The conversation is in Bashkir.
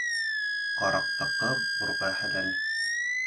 Ҡараҡтыҡы бурға хәләл.